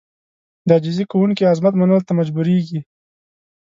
د عاجزي کوونکي عظمت منلو ته مجبورېږي.